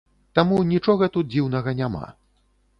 Таму нічога тут дзіўнага няма.